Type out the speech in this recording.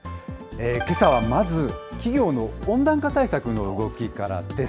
けさはまず、企業の温暖化対策の動きからです。